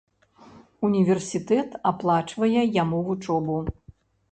Універсітэт аплачвае яму вучобу.